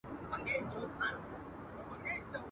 خدای دي رحم پر زاړه کفن کښ وکي.